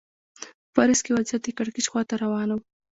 په پاریس کې وضعیت د کړکېچ خوا ته روان و.